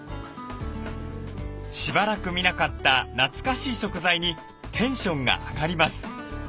しばらく見なかった懐かしい食材にテンションが上がります。